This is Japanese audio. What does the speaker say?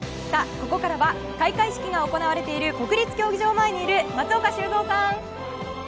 ここからは開会式が行われている国立競技場前にいる松岡修造さん。